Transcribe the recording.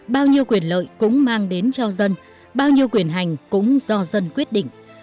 bao nhiêu quyền lợi cũng mang đến cho dân bao nhiêu quyền hành cũng do dân quyết định